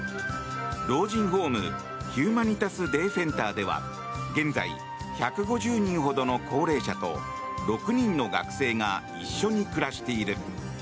老人ホーム、ヒューマニタス・デーフェンターでは現在１５０人ほどの高齢者と６人の学生が一緒に暮らしている。